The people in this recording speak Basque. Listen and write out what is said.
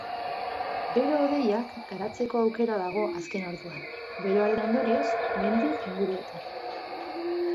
Bero-hodeiak garatzeko aukera dago azken orduan, beroaren ondorioz, mendi inguruetan.